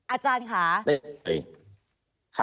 อาจารย์ค่ะ